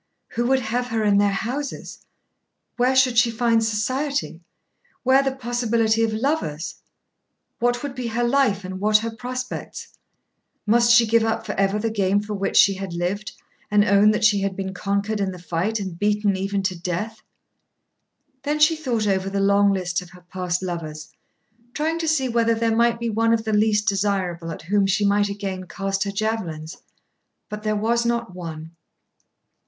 Who would have her in their houses? Where should she find society, where the possibility of lovers? What would be her life, and what her prospects? Must she give up for ever the game for which she had lived, and own that she had been conquered in the fight and beaten even to death? Then she thought over the long list of her past lovers, trying to see whether there might be one of the least desirable at whom she might again cast her javelins. But there was not one.